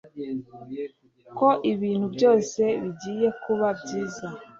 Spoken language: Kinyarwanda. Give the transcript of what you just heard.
ko ibintu byose bigiye kuba byiza